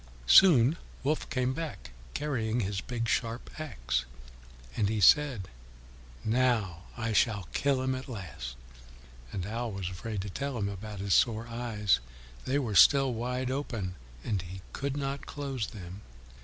Soon Wolf came back, carrying his big sharp axe. And he said, "Now I shall kill him at last." And Owl was afraid to tell him about his sore eyes; they were still open wide, and he could not close them.